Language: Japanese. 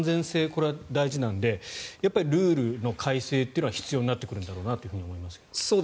これは大事なのでやっぱりルールの改正というのは必要になってくるんだろうなと思いますが。